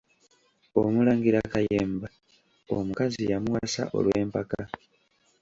Omulangira Kayemba omukazi yamuwasa, olw'empaka.